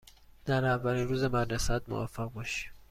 در اولین روز مدرسه ات موفق باشی.